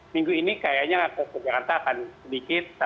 minggu ini kayaknya akses ke jakarta akan sedikit